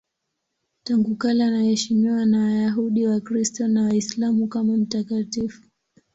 Tangu kale anaheshimiwa na Wayahudi, Wakristo na Waislamu kama mtakatifu.